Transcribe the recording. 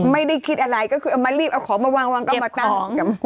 ไม่ได้คิดอะไรก็คือเอามารีบเอาของมาวางก็มาตั้ง